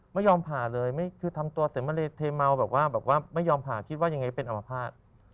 ไม่ยอมผ่าเลยคือทำตัวเสมเลเทเมาแบบว่าแบบว่าไม่ยอมผ่าคิดว่ายังไงเป็นอมภาษณ์